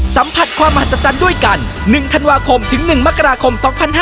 สัมผัสความมหัศจรรย์ด้วยกัน๑ธันวาคมถึง๑มกราคม๒๕๕๙